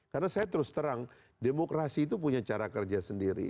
karena saya terus terang demokrasi itu punya cara kerja sendiri